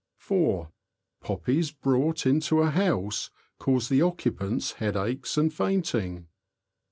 (4.) Poppies brought into a house cause the occu pants headaches and fainting.